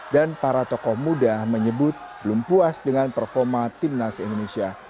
dan para tokoh muda menyebut belum puas dengan performa tim nas indonesia